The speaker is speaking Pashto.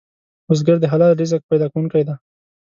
بزګر د حلال رزق پیدا کوونکی دی